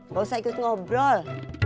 gak usah ikut ngobrol